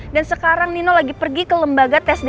dan sekarang nino lagi pergi ke lembaga tes dna